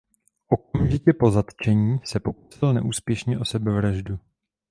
Okamžitě po zatčení se pokusil neúspěšně o sebevraždu.